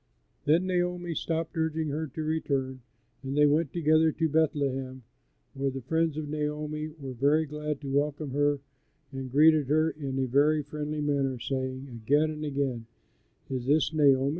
Then Naomi stopped urging her to return, and they went together to Bethlehem, where the friends of Naomi were very glad to welcome her and greeted her in a very friendly manner, saying again and again, "Is this Naomi?"